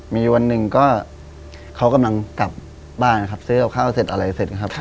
มีวันหนึ่งก็เขากำลังกลับบ้านนะครับซื้อกับข้าวเสร็จอะไรเสร็จนะครับ